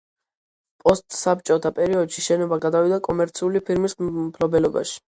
პოსტსაბჭოთა პერიოდში შენობა გადავიდა კომერციული ფირმის მფლობელობაში.